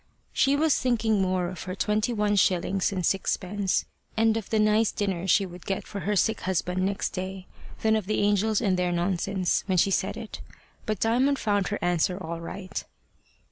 She was thinking more of her twenty one shillings and sixpence, and of the nice dinner she would get for her sick husband next day, than of the angels and their nonsense, when she said it. But Diamond found her answer all right.